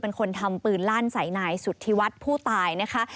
เป็นคนทำปืนลั่นใส่นายสุธิวัฒน์ผู้ตายนะคะ